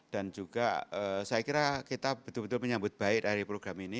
dan juga saya kira kita betul betul menyambut baik dari program ini